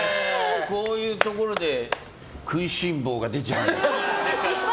こういうところで食いしん坊が出ちゃう。